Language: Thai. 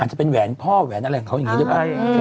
อาจจะเป็นแหวนพ่อแหวนอะไรของเขาอย่างนี้ใช่ป่ะ